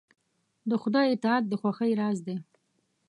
د خدای اطاعت د خوښۍ راز دی.